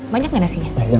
banyak gak nasinya